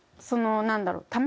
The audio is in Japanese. そのなんだろう？